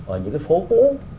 ở những cái phố cũ